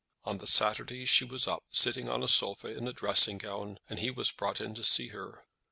On the Saturday she was up, sitting on a sofa in a dressing gown, and he was brought in to see her.